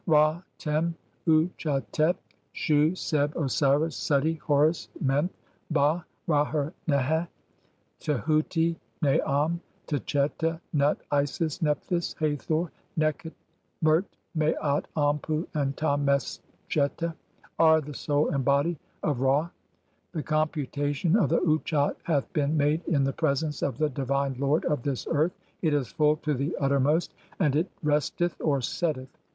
Ra, Tern, Utchatet, "Shu, Seb, Osiris, Suti, Horus, Menth, Bah, Ra er neheh, Tehuti, "Naam, (7) Tchetta, Nut, Isis, Nephthys, Hathor, Nekht, Mert(?), "Maat, Anpu, and Ta mes tchetta [are] the soul and body of "Ra. (8) The computation of the Utchat hath been made in the "presence of the divine lord of this earth ; it is full to the utter "most, and it resteth (or setteth).